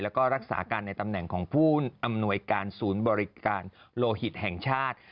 แล้วก็รักษาการในตำแหน่งของผู้อำนวยการศูนย์บริการโลหิตแห่งชาติ